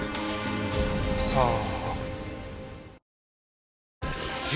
さあ。